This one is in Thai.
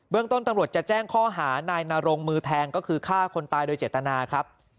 ต้นตำรวจจะแจ้งข้อหานายนรงมือแทงก็คือฆ่าคนตายโดยเจตนาครับ